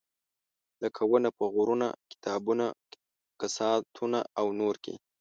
لکه ونه په غرونه، کتابونه، کساتونه او نور کې.